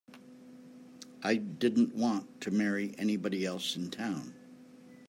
I didn't want to marry anybody else in town.